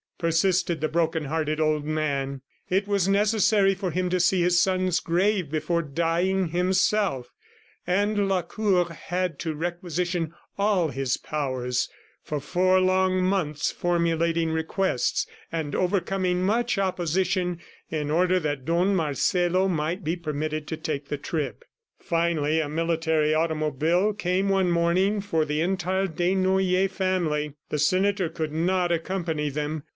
persisted the broken hearted old man. It was necessary for him to see his son's grave before dying himself, and Lacour had to requisition all his powers, for four long months formulating requests and overcoming much opposition, in order that Don Marcelo might be permitted to make the trip. Finally a military automobile came one morning for the entire Desnoyers family. The senator could not accompany them.